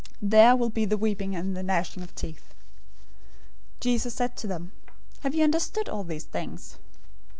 There will be the weeping and the gnashing of teeth." 013:051 Jesus said to them, "Have you understood all these things?"